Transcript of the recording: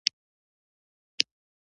یوازې اقتصادي ګټې نه وې خوندي.